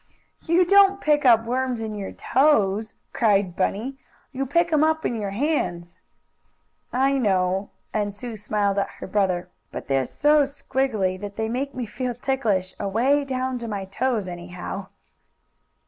"You don't pick up worms in your toes!" cried Bunny. "You pick 'em up in your hands!" "I know," and Sue smiled at her brother, "but they are so squiggily that they make me feel ticklish away down to my toes, anyhow."